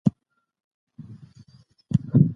پرون زه ډېر ناوخته بېدېدلی وم.